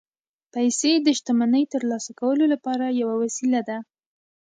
پیسې د شتمنۍ ترلاسه کولو لپاره یوه وسیله ده